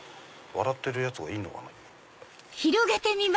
笑ってるやつがいるのかな。